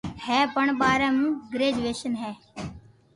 ھي ين ٻاري مون ڪريجويݾن بي